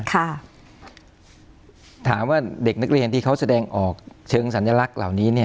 ถามว่าเด็กนักเรียนที่เขาแสดงออกเชิงสัญลักษณ์เหล่านี้เนี่ย